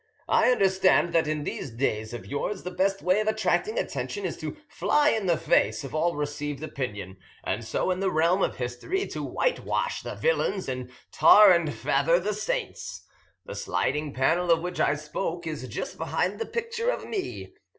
"I understand that in these days of yours the best way of attracting attention is to fly in the face of all received opinion, and so in the realm of history to whitewash the villains and tar and feather the saints. The sliding panel of which I spoke is just behind the picture of me.